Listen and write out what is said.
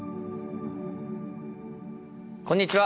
こんにちは！